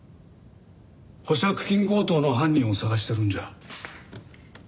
保釈金強盗の犯人を捜してるんじゃ？